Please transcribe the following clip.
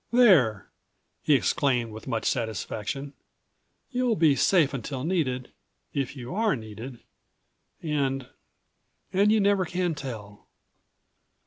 "There!" he exclaimed with much satisfaction,199 "you'll be safe until needed, if you are needed, and—and you never can tell."